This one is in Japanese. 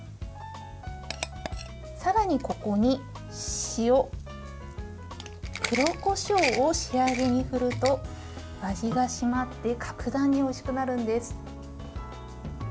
さらに、ここに塩、黒こしょうを仕上げに振ると味が締まって格段においしくなるんです。